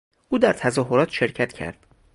او در تظاهرات شرکت کرد.